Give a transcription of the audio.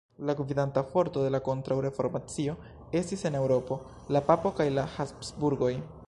La gvidanta forto de la kontraŭreformacio estis en Eŭropo la papo kaj la Habsburgoj.